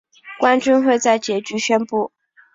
冠军会在结局宣布。